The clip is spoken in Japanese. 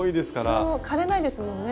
枯れないですもんね。